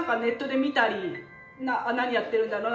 何やってるんだろうな？